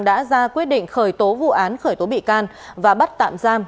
đã ra quyết định khởi tố vụ án khởi tố bị can và bắt tạm giam